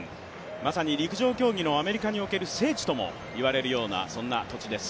まさに陸上競技のアメリカにおける聖地ともいわれるようなそんな土地です。